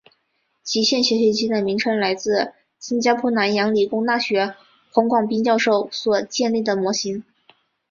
极限学习机的名称来自新加坡南洋理工大学黄广斌教授所建立的模型。